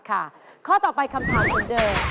ข้อต่อไปคำถามเหมือนเดิม